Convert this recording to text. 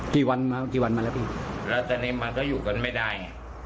กี่วันมากี่วันมาแล้วพี่แล้วแต่ในมาก็อยู่กันไม่ได้